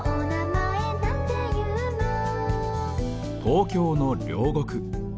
東京の両国。